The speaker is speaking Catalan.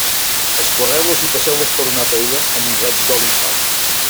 Escorreu-los i passeu-los per una paella amb un raig d'oli i sal.